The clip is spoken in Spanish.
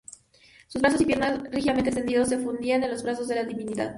Sus brazos y piernas, rígidamente extendidos, se fundían en los brazos de la divinidad.